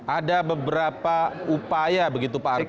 ada beberapa upaya begitu pak arti